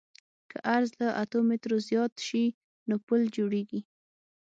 که عرض له اتو مترو زیات شي نو پل جوړیږي